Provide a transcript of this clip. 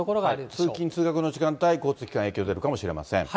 通勤・通学の時間帯、交通機関に影響が出るかもしれません。